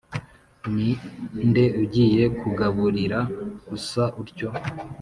ni nde ugiye kugaburira usa utyo?